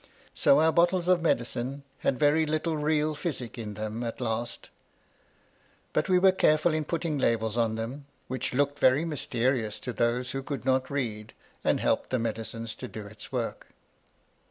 So our bottles of medicine had very little real physic in them at last; but we 42 MY LADY LUDLOW. were careful in putting labels on them, which looked very mysterious to those who could not read, and helped the medicine to do its work.